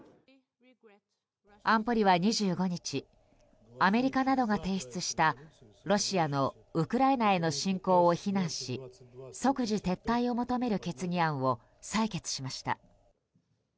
安保理は２５日アメリカなどが提出したロシアのウクライナへの侵攻を非難し即時撤退を求める決議案を採決しました。